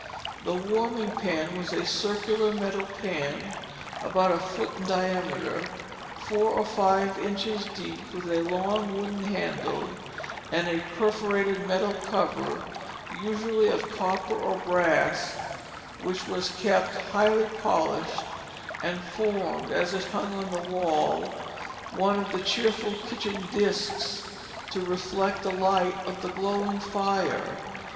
The warming pan was a circular metal pan about a foot in diameter, four or five inches deep, with a long wooden handle and a perforated metal cover, usually of copper or brass, which was kept highly polished, and formed, as it hung on the wall, one of the cheerful kitchen discs to reflect the light of the glowing fire.